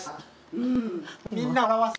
うん。